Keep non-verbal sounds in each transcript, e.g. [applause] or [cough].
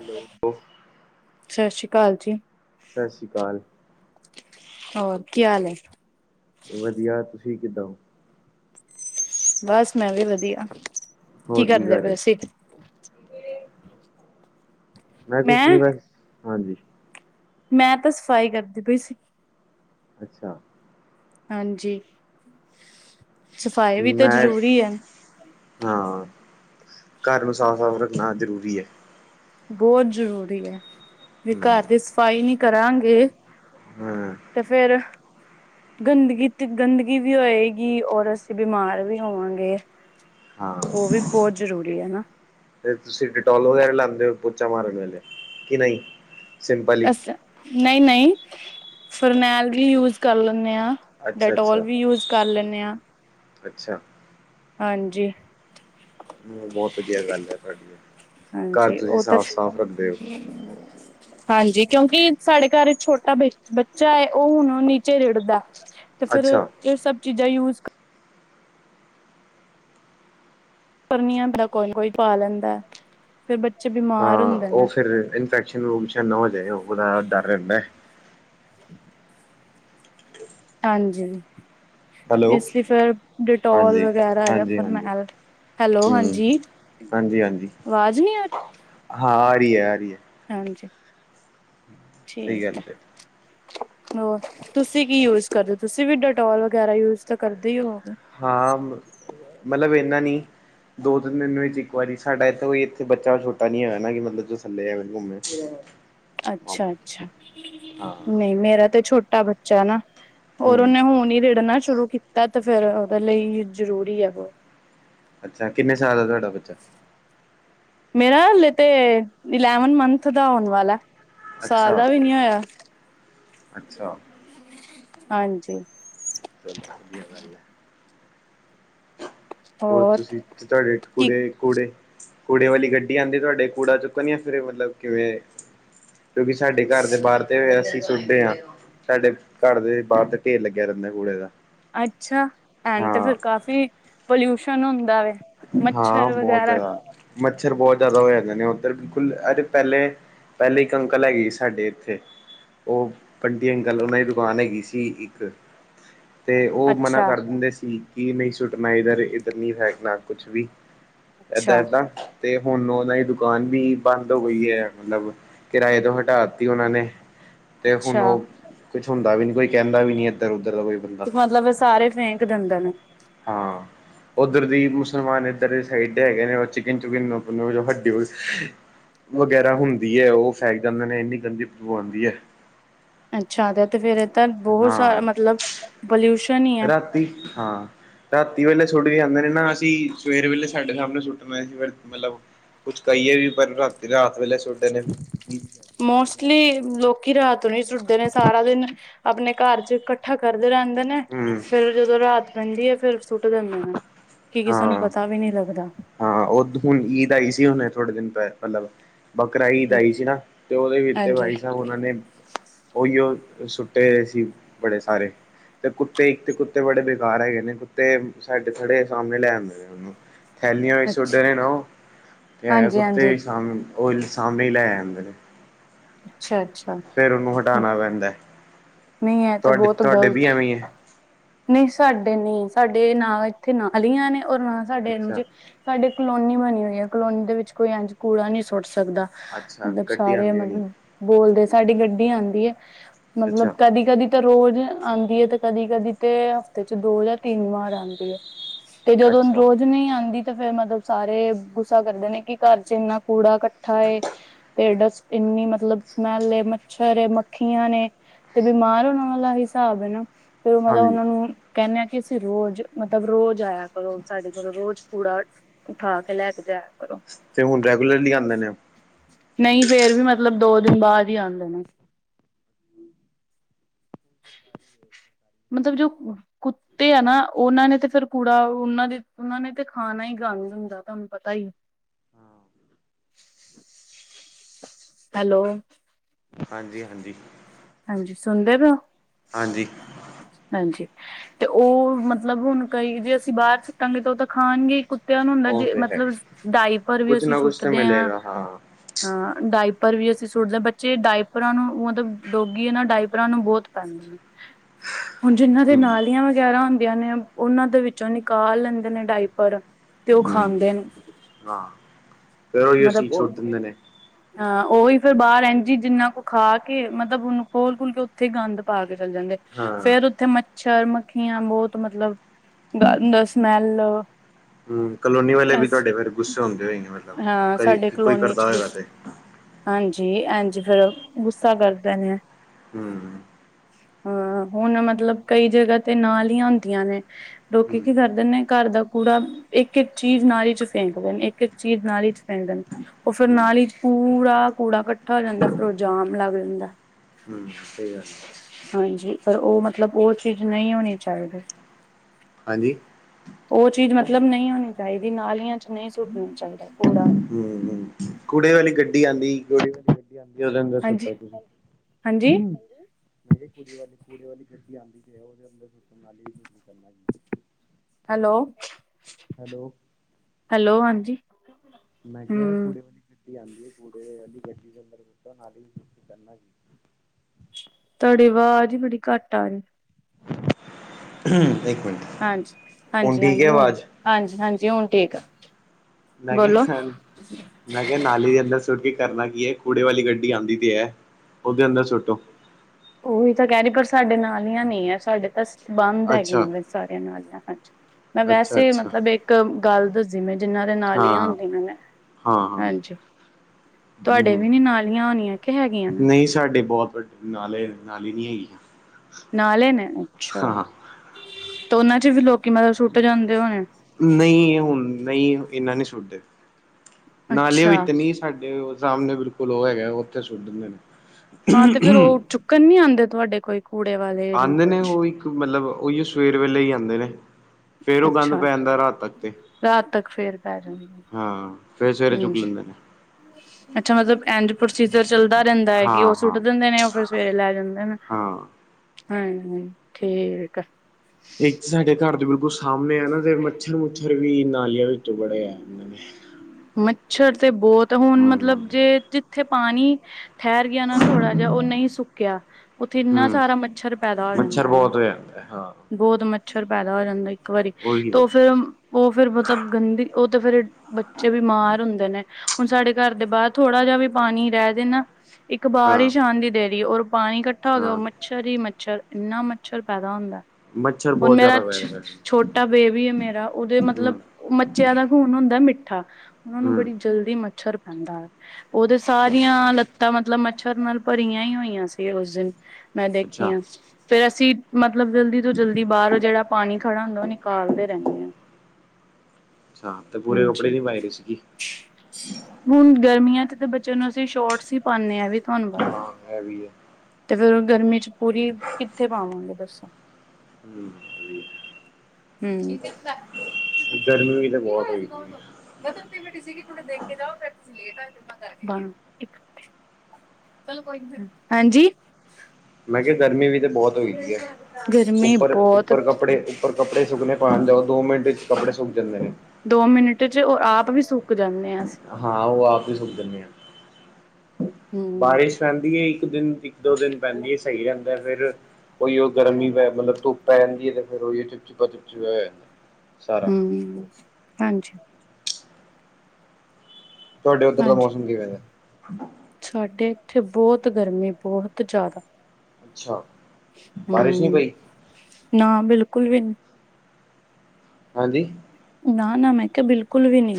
Hello, ਸਤਿ ਸ੍ਰੀ ਅਕਾਲ ਜੀ ਸਤਿ ਸ਼੍ਰੀ ਅਕਾਲ। ਹੋਰ ਕੀ ਹਾਲ ਐ ਵਧੀਆ ਤੁਸੀਂ ਕਿੱਦਾ ਹੋ ਬੱਸ ਮੈਂ ਵੀ ਵਧੀਆ ਹੋਰ ਕੀ ਕਰ ਰਹੇ ਸੀ ਕੁਛ ਵੀ ਨੀ ਮੈ ਕੁਛ ਮੈਂ, ਨੀ ਬਸ ਹਾਂਜੀ ਮੈ ਤਾਂ ਸਫ਼ਾਈ ਕਰਦੀ ਪਈ ਸੀ ਅੱਛਾ ਹਾਂਜੀ ਸਫ਼ਾਈ ਵੀ ਤਾਂ ਮੈਂ ਜ਼ਰੂਰੀ ਹੈ, ਨਾ ਘਰ ਨੂੰ ਸਾਫ ਸਾਫ ਰੱਖਣਾ ਜ਼ਰੂਰੀ ਐ ਬਹੁਤ ਜ਼ਰੂਰੀ ਏ ਵੀ ਹੂੰ, ਘਰ ਦੀ ਸਫ਼ਾਈ ਨੀ ਕਰਾਗੇ ਹਾਂ, ਤੇ ਫੇਰ ਗੰਦਗੀ ਤੇ ਗੰਦਗੀ ਵੀ ਹੋਏਗੀ ਔਰ ਅਸੀ ਬਿਮਾਰ ਵੀ ਹੋਵਾਗੇ ਹਾਂ ਹੈ ਨਾ, ਫਿਰ ਤੁਸੀ ਡਿਟੋਲੋ ਵੈਰ ਲਾਦੇ ਓ ਪੋਚਾ ਮਾਰਨ ਵੇਲੇ ਕਿ ਨਹੀ ਅੱਸਾ ਨਹੀਂ ਨਹੀਂ ਫਰਨੈਲ ਵੀ ਯੂਸ ਕਰ ਲੈਨੇ ਆ ਡੈਟੋਲ ਅੱਛਾ-ਅੱਛਾ, ਵੀ ਅੱਛਾ। ਯੂਸ ਕਰ ਲੈਨੇ ਆਂ ਅੱਛਾ ਹਾਂਜੀ ਨੀ ਆ ਬਹੁਤ ਵਧੀਆ ਗੱਲ ਇਹ ਤੁਹਾਡੀ ਘਰ ਹਾਂਜੀ ਤੁਸੀਂ ਉਹ ਸਾਫ਼ ਤਾਂ ਸਾਫ਼ ਰੱਖਦੇ ਹੋ ਹਾਂਜੀ ਕਿਉਕਿ ਸਾਡੇ ਘਰ ਇੱਕ ਛੋਟਾ ਬੱਚਾ ਏ ਉਹ ਹੁਣ ਨੀਚੇ ਰਿੜਦਾ ਤੇਂ ਫਿਰ ਅੱਛਾ, ਏ ਸਭ ਚੀਜ਼ਾ ਯੂਸ ਕਰ ਰਨੀ ਆ ਕੋਈ ਕੋਈ ਪਾ ਲੈਦਾ ਫੇਰ ਬੱਚੇ ਹਾਂ ਬਿਮਾਰ ਹੁੰਦੇ ਉਹ ਨੇ ਫਿਰ ਇਨਫੈਕਸ਼ਨ ਫੂਕਸ਼ਨ ਨਾ ਹੋ ਜਾਏ ਉਹਦਾ ਡਰ ਰਹਿੰਦਾ ਹਾਂਜੀ ਹੈਲੋ, ਇਸ ਲਈ ਫਿਰ ਡਿਟੋਲ ਹਾਂਜੀ, ਵਗੈਰਾ ਜਾਂ ਹਾਂਜੀ-ਹਾਂਜੀ। ਫਰਨੈਲ ਹੈਲੋ ਹੂੰ, ਹਾਂਜੀ ਹਾਂਜੀ-ਹਾਂਜੀ, ਅਵਾਜ਼ ਨੀ ਆ ਰੀ ਹਾਂ ਆ ਰਹੀ ਆ ਰਹੀ ਐ ਹਾਂਜੀ ਸਹੀ ਗੱਲ ਠੀਕ ਆ ਐ। ਹੋਰ ਤੁਸੀਂ ਕੀ ਯੂਸ ਕਰਦੇ ਹੋ ਤੁਸੀਂ ਵੀ ਡੈਟੋਲ ਵਗੈਰਾ ਯੂਜ ਤਾਂ ਕਰਦੇ ਹੀ ਹੋਗੇ ਹਾਂ ਮਤਲਬ ਇੰਨਾ ਨੀ ਦੋ ਤਿੰਨ ਦਿਨ ਵਿੱਚ ਇੱਕ ਵਾਰੀ ਸਾਡਾ ਇਥੇ ਕੋਈ ਇੱਥੇ ਬੱਚਾ ਛੋਟਾ ਨੀ ਹੈਗਾ ਨਾ ਮਤਲਬ ਥਲੇ ਆਵੇ ਘੁੰਮੇ [inaudible] ਮਾਮੀ ਅੱਛਾ- ਅੱਛਾ ਹਾਂ, ਨਈ ਮੇਰਾ ਤੇ ਛੋਟਾ ਬੱਚਾ ਬੱਚਾ ਹਨਾ, ਹੋਰ ਹੂੰ, ਉਨੇ ਹੁਣ ਈ ਰਿੜਨਾ ਸ਼ੁਰੂ ਕੀਤਾ ਤੇ ਫੇਰ ਓਦੇ ਲਈ ਜ਼ਰੂਰੀ ਆ ਉਹੋ ਅੱਛਾ ਕਿੰਨੇ ਸਾਲ ਦਾ ਤੁਆਡਾ ਬੱਚਾ? ਮੇਰਾ ਹਾਲੇ ਤੇ ਇਲੈਵਨ ਮੰਨਥ ਦਾ ਹੋਣ ਵਾਲਾ। ਸਾਲ ਅੱਛਾ, ਦਾ ਵੀ ਨੀ ਹੋਇਆ, ਅੱਛਾ, ਹਾਜੀ। ਚਲੋ ਵੱਧੀਆ ਗੱਲ ਐ। ਹੋਰ ਤੁਸੀਂ ਤੁਆਡੇ ਕੀ ਕੁੜੇ ਕੂੜੇ, ਕੂੜੇ ਵਾਲੀ ਗੱਡੀ ਆਂਦੀ ਤੁਆਡੇ ਕੂੜਾ ਚੁੱਕਣ ਜਾਂ ਫੇਰ ਮਤਲਬ ਕਿਵੇਂ? ਕਿਉਂਕਿ ਸਾਡੇ ਘਰ ਦੇ ਬਾਰ ਤੇ ਅਸੀਂ ਸੁੱਟਦੇ ਆ। ਸਾਡੇ ਘਰ ਦੇ ਬਾਰ ਤੇ ਢੇਰ ਲੱਗੇਆ ਰੇਂਦਾ ਕੁੂੜੇ ਦਾ ਅੱਛਾ ਐਂ ਤੇ ਹਾਂ, ਫਿਰ ਕਾਫ਼ੀ ਪੋਲਿਊਸ਼ਨ ਹੁੰਦਾ ਵੇ ਹਾਂ ਮੱਛਰ ਬੋਤ ਵਗੈਰਾ ਜਾਦਾ ਮੱਛਰ ਬੋਤ ਜਾਦਾ ਹੋ ਜਾਂਦੇ ਨੇ ਓਧਰ ਬਿਲਕੁਲ ਅ ਤੇ ਪੇਲੇ ਪੇਲੇ ਇੱਕ ਅੰਕਲ ਹੈਗੇ ਸੀ ਸਾਡੇ ਏਥੇ ਓ ਕੰਡੀ ਅੰਕਲ ਓਨਾਂ ਦੀ ਦੁਕਾਨ ਹੈਗੀ ਸੀ ਇੱਕ ਤੇ ਓ ਮਨਾ ਅੱਛਾ ਕਰ ਦਿੰਦੇ ਸੀ ਕਿ ਨਈ ਸੁੱਟਣਾ ਇੱਧਰ-ਇੱਧਰ ਨਈ ਫੇਕਣਾ ਕੁਛ ਵੀ ਏਦਾਂ ਅੱਛਾ -ਏਦਾਂ ਤੇ ਹੁਣ ਓਨਾ ਦੀ ਦੁਕਾਨ ਵੀ ਬੰਦ ਹੋ ਗਈ ਐ ਮਤਲਬ ਕਿਰਾਏ ਤੋਂ ਹਟਾਤੀ ਓਨਾਂ ਨੇ ਤੇ ਹੁਣ ਅੱਛਾ ਉਹ ਕੁਛ ਹੁੰਦਾ ਵੀ ਨੀ ਕੋਈ ਕੇਂਦਾ ਵੀ ਨੀ ਇੱਧਰ ਉੱਧਰ ਦਾ ਕੋਈ ਬੰਦਾ ਤੇ ਮਤਲਬ ਏ ਸਾਰੇ ਫੇਂਕ ਦਿੰਦੇ ਨੇ? ਹਾਂ। ਓਧਰ ਦੀ ਮੁਸਲਮਾਨ ਏਧਰ ਦੇ ਸਾਈਡ ਦੇ ਹੈਗੇ ਨੇ ਉਹ ਚਿਕਨ ਚੁਕਨ ਵਗੈਰਾ ਹੁੰਦੀ ਐ ਓ ਫੈਕ ਜਾਂਦੇ ਨੇ ਏਨੀ ਗੰਦੀ ਬਦਬੂ ਆਂਦੀ ਆ। ਅੱਛਾ ਤੇ ਤੇ ਫੇਰ ਏ ਤਾਂ ਬੋਤ ਸਾਰਾ ਮਤਲਬ ਪੋਲਿਊਸ਼ਨ ਹੀ ਹੈ। ਰਾਤੀਂ ਹਾਂ ਰਾਤੀ ਵੇਲੇ ਸੁੱਟ ਕੇ ਜਾਂਦੇ ਨੇ ਨਾ ਅਸੀਂ ਸਵੇਰੇ ਵੇਲੇ ਸਾਡੇ ਸਾਹਮਣੇ ਸੁੱਟਣਾ ਸੀ ਫਿਰ ਮਤਲਬ ਕੁਛ ਕਹੀਏ ਵੀ ਪਰ ਰਾਤੀ ਰਾਤ ਵੇਲੇ ਸੁੱਟਦੇ ਨੇ ਮੋਸਟਲੀ ਲੋਕੀ ਰਾਤ ਨੂੰ ਈ ਸੁੱਟਦੇ ਨੇ ਸਾਰਾ ਦਿਨ ਆਪਣੇ ਘਰ ਚ ਇਕੱਠਾ ਕਰਦੇ ਰੇਂਦੇ ਨੇ ਹਮ ਫੇਰ ਜਦੋਂ ਰਾਤ ਪੈਂਦੀ ਹੈ ਫੇਰ ਸੁੱਟ ਦਿੰਦੇ ਨੇ, ਕੀ ਕਿਸੇ ਨੂੰ ਹਾਂ ਪਤਾ ਵੀ ਨਈ ਲੱਗਦਾ। ਹਾਂ ਉ ਹੁਣ ਈਦ ਆਈ ਸੀ ਹੁਣੇ ਥੋੜੇ ਦਿਨ ਪੈ ਮਤਲਬ ਬਕਰਾਈਦ ਆਈ ਸੀ ਨਾ ਤੇ ਉਹਦੇ ਵਿੱਚ ਤੇ ਹਾਂਜੀ ਬਾਈ ਸਾਹਿਬ ਉਹਨਾਂ ਨੇ ਉਹੀਓ ਸੁੱਟੇ ਹੋਏ ਸੀ ਬੜੇ ਸਾਰੇ ਤੇ ਕੁੱਤੇ ਇੱਕ ਤੇ ਕੁੱਤੇ ਬੜੇ ਬੇਕਾਰ ਹੈਗੇ ਨੇ ਕੁੱਤੇ ਸਾਡੇ ਥੜੇ ਦੇ ਸਾਹਮਣੇ ਲੈ ਆਂਦੇ ਨੇ ਓਨੂੰ। ਥੈਲੀਆਂ ਵਿੱਚ ਅੱਛਾ ਸੁੱਟਦੇ ਨੇ ਉਹਨੂੰ ਤੇ ਹਾਂਜੀ ਹਾਂਜੀ ਕੁੱਤੇ ਓ ਸਾਮ ਓ ਸਾਮਣੇ ਲੈ ਆਦੇਂ ਨੇ ਓਹੰਨੂ। ਅੱਛਾ -ਅੱਛਾ। ਫੇਰ ਓਨੂੰ ਹਟਾਣਾ ਪੈਂਦਾ। ਨਈ ਐ ਤਾਂ ਤੁਹਾਡੇ ਬੋਤ ਤੁਹਾਡੇ ਵੀ ਗ਼ਲਤ ਐਵੇਂ ਹੀ ਐ। ਹੈ ਨਈ ਸਾਡੇ ਨਈ ਸਾਡੇ ਨਾ ਇੱਥੇ ਨਾਲੀਆਂ ਨੇ ਔਰ ਨਾ ਸਾਡੇ ਇੰਝ ਅੱਛਾ ਸਾਡੇ ਕਲੋਨੀ ਬਣੀ ਹੋਈ ਐ ਕਲੋਨੀ ਦੇ ਵਿੱਚ ਕੋਈ ਐਂਜ ਕੂੜਾ ਨਈ ਸੁੱਟ ਸਕਦਾ। ਅੱਛਾ ਮਤਲਬ ਗੱਡੀ ਸਾਰੇਆ ਆਂਦੀ ਨੇ ਹੋਣੀ ਨਈ, ਬੋਲਦੇ ਸਾਡੀ ਗੱਡੀ ਆਂਦੀ ਐ ਮਤਲਬ ਅੱਛਾ ਕਦੀ - ਕਦੀ ਤਾਂ ਰੋਜ਼ ਆਂਦੀ ਐ ਤੇ ਕਦੀ -ਕਦੀ ਤੇ ਹਫ਼ਤੇ ਚ ਦੋ ਜਾਂ ਤਿੰਨ ਵਾਰ ਆਂਦੀ ਐ। ਤੇ ਦੋ ਦਿਨ ਅੱਛਾ ਰੋਜ਼ ਨਈ ਆਂਦੀ ਤੇ ਫੇਰ ਮਤਲਬ ਸਾਰੇ ਗੁੱਸਾ ਕਰਦੇ ਨੇ ਕਿ ਘਰ ਚ ਏਨਾ ਕੂੜਾ ਇਕੱਠਾ ਏ ਤੇ ਡਸਟਬਿਨੀ ਮਤਲਬ ਸਮੈਲ ਏ, ਮੱਛਰ ਏ, ਮੱਖੀਆਂ ਨੇ ਤੇ ਬਿਮਾਰ ਹੋਣ ਵਾਲ਼ਾ ਹਿਸਾਬ ਐ ਨਾ। ਫਿਰ ਮਤਲਬ ਹਾਂਜੀ ਉਹਨਾ ਨੂੰ ਕਹਿੰਦੇ ਆ ਕਿ ਅਸੀਂ ਰੋਜ਼ ਮਤਲਬ ਰੋਜ਼ ਆਇਆ ਕਰੋ। ਸਾਡੇ ਕੋਲੋਂ, ਰੋਜ਼ ਕੂੜਾ ਉਠਾ ਕੇ ਲੈ ਕੇ ਜਾਇਆ ਕਰੋ ਤੇ ਹੁਣ ਰੈਗੂਲਰਲੀ ਆਂਦੇ ਨੇ ਉਹ? ਨਹੀਂ ਫੇਰ ਵੀ ਮਤਲਬ, ਦੋ ਦਿਨ ਬਾਅਦ ਈ ਆਂਦੇ ਨੇ। [inaudible] ਮਤਲਬ ਜੋ ਕੁੱਤੇ ਆ ਨਾ। ਉਹਨਾਂ ਨੇ ਤੇ ਫੇਰ ਕੂੜਾ, ਉਹਨਾ ਦੇ ਉਹਨਾਂ ਨੇ ਤੇ ਖਾਣਾ ਈ ਗੰਦ ਹੁੰਦਾ ਵਾਂ। ਤਾਨੂੰ ਪਤਾ ਈ ਐ। ਹੈਲੋ। ਹਾਂਜੀ-ਹਾਂਜੀ। ਹਾਂਜੀ। ਸੁਣਦੇ ਪਏ ਓ? ਹਾਂਜੀ। ਹਾਂਜੀ ਤੇ ਉਹ ਮਤਲਬ ਹੁਣ ਕਈ ਜੇ, ਅਸੀਂ ਬਾਹਰ ਸੁਟਾਂਗੇ 'ਤਾਂ। ਉਹ ਤਾਂ ਖਾਣਗੇ ਕੁ ਕੁਤਿਆਂ ਨੂੰ ਹੁੰਦਾ, ਉਹ ਜੇ ਤੇ ਹੈ ਹੀ ਮਤਲਬ, ਡਾਇਪਰ ਵੀ ਕੁਛ ਅਸੀਂ ਨਾ ਕੁਛ ਤਾਂ ਸੁੱਟਦੇ ਆ ਮਿਲੇਗਾ ਹਾਂ ਹਾਂ, ਡਾਇਪਰ ਵੀ ਅਸੀਂ ਸੁੱਟਦੇ। ਬੱਚੇ ਡਾਇਪਰਾਂ ਨੂੰ, ਮਤਲਬ ਡੌਗੀ ਆ ਨਾ ਡਾਇਪਰਾਂ ਨੂੰ ਬਹੁਤ ਪੈਂਦੇ। [inaudible] ਹੁਣ ਜਿਨਾਂ ਦੇ ਹੂੰ ਨਾਲੀਆਂ ਵਗ਼ੈਰਾ ਹੁੰਦੀਆਂ ਨੇ। ਉਹਨਾਂ ਦੇ ਵਿੱਚੋਂ ਨਿਕਾਲ ਲੈਂਦੇ ਨੇ, ਡਾਇਪਰ ਤੇ ਉਹ ਖਾਂਦੇ ਨੇ। ਨਾ। ਮੇਰਾ [unintelligible] ਹਾਂ, ਉਹੀ ਫੇਰ ਬਾਹਰ ਇੰਜ ਜਿੰਨਾ ਕੁ ਖਾ ਕੇ, ਮਤਲਬ ਉਹਨੂੰ ਖੋਲ-ਖੂਲ ਕੇ ਉੱਥੇ ਗੰਦ ਪਾ ਕੇ ਚਲ ਜਾਂਦੇ। ਹਾਂ ਫੇਰ ਉੱਥੇ ਮੱਛਰ, ਮੱਖੀਆਂ, ਬਹੁਤ ਮਤਲਬ ਗੰਧ, ਸਮੈਲ, ਇਸ ਗੁੱਸਾ ਹੁੰਦੇ ਹੋਏ ਈ ਹਾਂ, ਸਾਡੇ ਕਲੋਨੀ 'ਚ ਗੁੱਸ ਹਾਂਜੀ। ਐਂਝ ਫਿਰ ਗੁੱਸਾ ਕਰਦੇ ਨੇ। ਹਮ। ਹਾਂ, ਹੁਣ ਮਤਲਬ ਕਈ ਜਗ੍ਹਾ ਤੇ ਨਾਲ਼ੀਆਂ ਹੁੰਦੀਆਂ ਨੇ ਲੋਕੀ ਹੂੰ ਕੀ ਕਰਦੇ ਨੇ। ਘਰ ਦਾ ਕੂੜਾ, ਇੱਕ-ਇੱਕ ਚੀਜ਼ ਨਾਲੀ 'ਚ ਫੇਕਦੇ ਨੇ। ਇੱਕ-ਇੱਕ ਚੀਜ਼ ਨਾਲੀ 'ਚ ਫੈਕਦੇ ਨੇ। ਉਹ ਫਿਰ ਹੂੰ ਨਾਲੀ 'ਚ ਪੂਰਾ ਕੂੜਾ ਇਕੱਠਾ ਹੋ ਜਾਂਦਾ। ਫਿਰ ਉਹ ਜਾਮ ਲੱਗ ਜਾਂਦਾ। ਹਮ। ਹਾਂਜੀ। ਪਰ ਉਹ ਮਤਲਬ, ਉਹ ਚੀਜ਼ ਨਹੀਂ ਹੋਣੀ ਚਾਹੀਦੀ। ਹਾਂਜੀ। ਉਹ ਚੀਜ਼ ਮਤਲਬ ਨਹੀਂ ਹੋਣੀ ਚਾਹੀਦੀ। ਨਾਲੀਆਂ 'ਚ ਨਹੀਂ ਸੁੱਟਣਾ ਚਾਹੀਦਾ, ਕੂੜਾ। [inaudible] ਕੂੜੇ ਵਾਲੀ ਗੱਡੀ ਆਂਦੀ। ਕੂੜੇ ਵਾਲੀ ਗੱਡੀ ਆਂਦੀ‌। ਉਹਦੇ ਅੰਦਰ ਹਾਂਜੀ ਸੁੱਟੋ ਤੁਸੀਂ। ਹਾਂਜੀ ਮੇਰੇ ਕੁੜੀ ਵਾਲੀ, ਕੁੜੇ ਵਾਲੀ ਗੱਡੀ ਆਂਦੀ ਤੇ ਐ। ਉਹਦੇ ਅੰਦਰ ਸੁੱਟੋ। ਨਾਲੀ 'ਚ ਸੁਟ ਕੇ ਕਰਨਾ ਕਿ ਏ। ਹੈਲੋ-ਹੈਲੋ, ਹਾਂਜੀ। ਮੈਂ ਕਿਹਾ ਹੂੰ ਕੂੜੇ ਵਾਲੀ ਗੱਡੀ ਆਂਦੀ ਏ। ਕੂੜੇ ਵਾਲੀ ਗੱਡੀ ਦੇ ਅੰਦਰ ਈ ਸੁੱਟੋ। ਨਾਲੀ 'ਚ ਸੁਟ ਕੇ ਕਰਨਾ ਕੀ। ਤੁਹਾਡੀ ਆਵਾਜ਼ ਈ ਬੜੀ ਘੱਟ ਆ ਰਹੀ। ਹਮ, ਇੱਕ ਮਿੰਟ। ਠੀਕ ਹਾਂਜੀ-ਹਾਂਜੀ-ਹਾਂਜੀ। ਹੈ ਹੁਣ ਆਵਾਜ਼ ਹਾਂਜੀ-ਹਾਂਜੀ। ਹੁਣ ਠੀਕ ਆ। ਮੈਂ ਬੋਲੋ ਕਿਹਾ ਮੈਂ ਕਿਹਾ ਨਾਲੀ ਦੇ ਅੰਦਰ ਸੁੱਟ ਕੇ ਕਰਨਾ ਕੀ ਏ। ਕੂੜੇ ਵਾਲੀ ਗੱਡੀ ਆਂਦੀ ਤੇ ਐ। ਉਹਦੇ ਅੰਦਰ ਸੁੱਟੋ। ਉਹੀ ਤਾਂ ਕਹਿ ਰਹੀ ਪਰ ਸਾਡੇ ਨਾਲੀਆਂ ਨਹੀਂ ਹੈ ਸਾਡੇ ਤਾਂ ਬੰਦ ਹੈਗੀਆਂ ਅੱਛਾ ਵ ਸਾਰੀਆਂ ਨਾਲੀਆ ਹਾਂਜੀ। ਮੈਂ ਅੱਛਾ ਵੈਸੇ ਅੱਛਾ ਮਤਲਬ ਇੱਕ, ਗੱਲ ਦੱਜੀ ਮੈਂ ਜਿੰਨਾਂ ਨਾਲੀਆਂ ਹਾਂ ਹਾਂ ਹੁੰਦੀਆਂ, ਹਾਂ ਹਾਂਜੀ। ਹਾਂ ਤੁਹਾਡੇ ਹਮ ਵੀ ਨੀ ਨਾਲੀਆਂ ਹੋਣੀਆ ਕਿ ਹੈਗੀਆ, ਨਹੀਂ ਸਾਡੇ ਬਹੁ ਨਾਲੇ ਨਾਲੀ ਹੀ ਨਹੀ ਹੈਗੀ। ਨਾਲੇ ਨੇ, ਅੱਛਾ, ਹਾਂ ਤੇ ਉਹਨਾਂ ਚ ਵੀ ਲੋਕੀ ਮਤਲਬ ਸੁੱਟ ਜਾਂਦੇ ਹੋਣੇ। ਨਈ ਹੁਣ ਨਹਈ ਇਹਨਾ ਨਹੀਂ ਸੁੱਟਦੇ। ਨਾਲੇ ਅੱਛਾ ਵਿਚ ਨੀ ਸਾਡੇ ਓ ਸਾਮਣੇ ਬਿਲਕੁਲ ਉਹ ਹੈਗਾ ਉੱਥੇ ਸੁੱਟ ਦਿੰਦੇ ਨੇ। ਹਾਂ ਤੇ ਫੇਰ ਉਹ ਚੁੱਕਣ ਨੀ ਆਦੇ ਤੁਹਾਡੇ ਕੋਈ ਕੂੜੇ ਵਾਲੇ। ਜਾਂ ਆਦੇ ਨੇ ਕੁਛ ਉਹ ਇੱਕ ਮਤਲਬ ਓਈ ਸਵੇਰ ਵੇਲੇ ਹੀ ਆਦੇ ਨੇ। ਫੇਰ ਉਹ ਗੰਦ ਅੱਛਾ ਪੈ ਜਾਂਦਾ ਰਾਤ ਤੱਕ ਤੇ, ਰਾਤ ਤੱਕ ਫੇਰ ਪੈ ਜਾਂਦੇ ਹਾਂ। ਫੇਰ ਸਵੇਰੇ ਚੁੱਕ ਹਾਂਜੀ ਲੈਂਦੇ ਨੇ। ਅੱਛਾ ਮਤਲਬ ਇੰਝ ਪ੍ਰੋਸੀਜਰ ਚੱਲਦਾ ਰਹਿੰਦਾ ਹੈ ਕਿ ਉਹ ਹਾਂ ਸੁੱਟ ਹਾਂ ਦਿੰਦੇ ਨੇ ਉਹ ਫਿਰ ਸਵੇਰੇ ਲੈ ਜਾਂਦੇ ਨੇ। ਹਾਂ। ਹਾਂ, ਠੀਕ ਆ। ਇੱਕ ਸਾਡੇ ਘਰ ਦੇ ਬਿਲਕੁਲ ਸਾਹਮਣੇ ਆ ਨਾ ਤੇ ਮੱਛਰ ਮੁੱਛਰ ਵੀ ਨਾਲੀਆ, ਮੱਛਰ ਤੇ ਬਹੁਤ ਹੁਣ ਹੂੰ ਮਤਲਬ ਜੇ ਥੇ ਪਾਣੀ, ਠਹਿਰ ਗਿਆ ਨਾ ਥੋੜ੍ਹਾ ਜਿਹਾ ਉਹ ਨਹੀਂ ਸੁੱਕਿਆ ਉੱਥੇ ਇੰਨਾ ਸਾਰਾ ਮੱਛਰ ਪੈਦਾ ਹੋ ਜਾਂਦਾ ਨਾ। ਐ ਹਾਂ। ਬਹੁਤ ਮੱਛਰ ਪੈਦਾ ਹੋ ਜਾਂਦਾ ਇੱਕ ਵਾਰੀ ਉਹੀ ਗੱਲ ਤੋ ਫਿਰ ਉਹ ਫਿਰ ਲ ਗੰਦੀ ਉਹ ਤੇ ਫਿਰ ਬੱਚੇ ਬਿਮਾਰ ਹੁੰਦੇ ਨੇ। ਹੁਣ ਸਾਡੇ ਘਰ ਦੇ ਬਾਹਰ ਥੋੜ੍ਹਾ ਜਿਹਾ ਵੀ ਪਾਣੀ ਰਹਿ ਜੇ ਨਾ, ਇੱਕ ਹਾਂ ਬਾਰਿਸ਼ ਆਣ ਦੀ ਦੇ ਰਹੀ ਔਰ ਪਾਣੀ ਇਕੱਠਾ ਹੋ ਗਿਆ ਹਾਂ ਮੱਛਰ ਹੀ ਮੱਛਰ ਇੰਨਾ ਮੱਛਰ ਪੈਦਾ ਹੁੰਦਾ, ਮੱਛਰ ਹੁਣ ਬਹੁਤ ਮੇਰਾ ਜ਼ਿਆਦਾ ਪੈ ਜਾਂਦਾ ਛੋਟ ਛੋਟਾ ਬੇਬੀ ਹੈ ਮੇਰਾ ਉਹਦੇ ਮਤਲਬ ਹੂੰ ਬੱਚਿਆਂ ਦਾ ਖੂਨ ਹੁੰਦਾ ਮਿੱਠਾ ਉਹਨਾ ਨੂੰ ਹੂੰ ਬੜੀ, ਜਲਦੀ ਮੱਛਰ ਪੈਂਦਾ ਹੈ ਉਹਦੇ ਅੱਛਾ ਸਾਰੀਆਂ ਲੱ ਤਾਂ ਮਤਲਬ ਮੱਛਰ ਨਾਲ ਭਰੀਆ ਹੀ ਹੋਈਆ ਸੀ ਉਸ ਦਿਨ ਮੈਂ ਅੱਛਾ ਦੇਖੀਆ ਫਿਰ ਅਸੀਂ, ਮਤਲਬ ਜਲਦੀ ਤੋਂ ਜਲਦੀ ਬਾਹਰ ਜਿਹੜਾ ਪਾਣੀ ਖੜਾ ਹੁੰਦਾ ਉਹ ਨਿਕਾਲਦੇ ਰਹਿੰਦੇ ਆ। ਅੱਛਾ ਤੇ ਪੂਰੇ ਕੱਪੜੇ ਹਾਂਜੀ। ਨੀ ਪਾਏ ਦੇ ਸੀ ਕੀ ਹੁਣ ਗਰਮੀਆਂ ਚ ਤਾ ਬੱਚਿਆਂ ਨੂੰ ਅਸੀਂ ਸ਼ੋਰਟ ਹੀ ਪਾਣੇ ਆ ਵੀ, ਤੁਹਾਨੂੰ ਪਤਾ, ਹਾਂ ਇਹ ਵੀ ਹੈ। ਤੇ ਫੇਰ ਗਰਮੀ ਚ ਪੂਰੀ ਕਿੱਥੇ ਪਾਵਾਂਗੇ ਦੱਸੋ, ਹੂੰ ਹੂੰ। ਗਰਮੀ ਵੀ ਤਾਂ ਬਹੁਤ ਹੋਈ ਦੀ ਹੈ ਮਤਲਬ ਤੇ ਬੇਟੀ ਸੀਗੀ ਤੁੜ ਦੇਖ ਜਾਓ ਫੇਰ ਤੁਸੀਂ ਲੇਟ ਆ ਤਾ ਕਰਕੇ। ਚਲੋ ਕੋਈ ਨੀ ਫੇਰ, ਹੈਂ ਜੀ। ਮੈਂ ਕਿਹਾ ਗਰਮੀ ਵੀ ਤੇ ਬਹੁਤ ਹੋਈ ਪਈ ਆ। ਗਰਮੀ ਉੱਪਰ, ਬਹੁਤ ਉੱਪਰ ਕੱਪੜੇ, ਉੱਪਰ ਕੱਪੜੇ ਸੁੱਕਣੇ ਪਾਉਣ ਜਾਓ ਦੋ ਮਿੰਟ ਵਿੱਚ ਕੱਪੜੇ ਸੁੱਕ ਜਾਂਦੇ ਨੇ। ਦੋ ਮਿੰਟ ਚ ਓ ਆਪ ਵੀ ਸੁੱਕ ਜਾਂਦੇ ਹਾ ਅਸੀਂ। ਹਾਂ ਉਹ ਆਪ ਵੀ ਸੁੱਕ ਜਾਣੇ ਆ। ਹੂੰ ਬਾਰਿਸ਼ ਪੈਂਦੀ ਹੈ ਇੱਕ ਦਿਨ ਇੱਕ ਦੋ ਦਿਨ ਪੈਂਦੀ ਹੈ ਸਹੀ ਰਹਿੰਦਾ ਫਿਰ। ਉਹੀਓ ਗਰਮੀ ਪੈ ਮਤਲਬ ਧੁੱਪ ਪੈ ਜਾਂਦੀ ਹੈ ਤੇ ਫਿਰ ਉਹੀਓ ਚ, ਹੂੰ, ਹਾਂਜੀ। ਤੁਹਾਡੇ ਉੱਧਰ ਦਾ ਹਾਂਜੀ ਮੌਸਮ ਕਿਵੇ ਦਾ ਐ। ਸਾਡੇ ਇੱਥੇ ਬਹੁਤ ਗਰਮੀ ਬਹੁਤ ਜ਼ਿਆਦਾ ਅੱਛਾ ਬਾਰਿਸ਼ ਨਹੀਂ ਹੂੰ ਪਈ। ਨਾ ਬਿਲਕੁਲ ਵੀ ਨਹੀਂ ਹਾਂਜੀ ਨਾ ਨਾ ਮੈਂ ਕਿਹਾ ਬਿਲਕੁਲ ਵੀ ਨੀ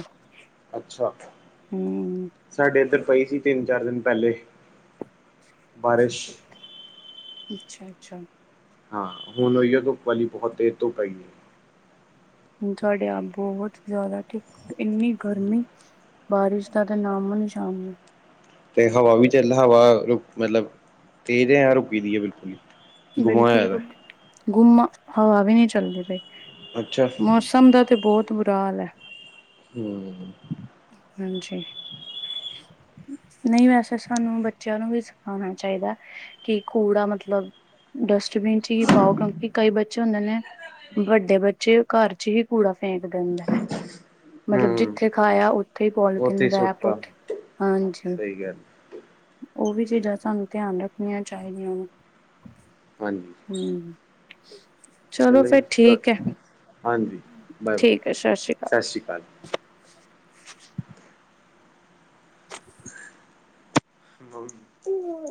ਅੱਛਾ ਸਾਡੇ ਇੱਧਰ ਪਈ ਸੀ ਤਿੰਨ ਚਾਰ ਦਿਨ ਪਹਿਲੇ ਬਾਰਿਸ਼ ਅੱਛਾ ਅੱਛਾ ਹਾਂ ਹੁਣ ਉਹੀਏ ਧੁੱਪ ਵਾਲੀ ਬਹੁਤ ਤੇਜ ਧੁੱਪ ਹੈਗੀ ਹੈ ਹੁਣ ਸਾਡੇ ਆਪ ਬਹੁਤ ਜ਼ਿਆਦਾ ਇੰਨੀ ਗਰਮੀ ਬਾਰਿਸ਼ ਦਾ ਤੇ ਨਾਮੋ ਨਿਸ਼ਾਨ ਨੀ ਤੇ ਹਵਾ ਵੀ ਚੱਲ ਹਵਾ ਰੁ ਮਤਲਬ ਤੇਜ਼ ਹੈ ਰੁਕੀ ਦੀ ਹੈ ਬਿਲਕੁਲ ਗੁਮਾ ਬਿਲਕੁਲ ਹੋਇਆ ਰ ਦਾ ਗੁੰਮ ਆ ਹਵਾ ਵੀ ਨਹੀਂ ਚੱਲਦੀ ਪਈ ਅੱਛਾ ਮੌਸਮ ਦਾ ਤੇ ਬਹੁਤ ਬੁਰਾ ਹਾਲ ਹੈ। ਹਮ ਹਾਂਜੀ ਨਹੀਂ ਵੈਸੇ ਸਾਨੂੰ ਬੱਚਿਆਂ ਨੂੰ ਵੀ ਸਿਖਾਉਣਾ ਚਾਹੀਦਾ। ਕਿ ਕੂੜਾ ਮਤਲਬ ਡਸਟਬੀਨ ਚ ਹੀ ਪਾਓ ਕਿਉਂਕਿ ਕਈ ਬੱਚੇ ਹੁੰਦੇ ਨੇ ਵੱਡੇ ਬੱਚੇ ਘਰ ਚ ਹੀ ਕੂੜਾ ਫੇਕ ਦਿੰਦੇ ਨੇ ਮਤਲਬ ਹੂੰ ਜਿੱਥੇ ਖਾਇਆ ਉੱਥੇ ਹੀ ਪੋਲੀਥਨ ਉੱਥੇ ਰੈਪ ਸੁੱਟਤਾ ਉੱਥੇ ਹਾਂਜੀ ਸਹੀ ਗੱਲ ਉਹ ਵੀ ਚੀਜ਼ਾਂ ਸਾਨੂੰ ਧਿਆਨ ਰੱਖਣੀਆਂ ਚਾਹੀਦੀਆਂ। ਹਾਂਜੀ ਹਮ ਚਲੋ ਫੇਰ ਜੀ, ਤੁਹਾ ਠੀਕ ਹੈ। ਹਾਂਜੀ ਬਾਏ ਬਾਏ ਠੀਕ ਹੈ ਸਤਿ ਸ਼੍ਰੀ ਸਤ ਸ਼੍ਰਿ ਅਕਾਲ [inaudible] ਬ [unintelligible] ਅਕਾਲ